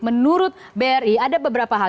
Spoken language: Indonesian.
menurut bri ada beberapa hal